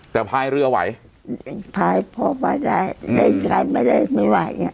แต่พายเรือไหวพายพอมาได้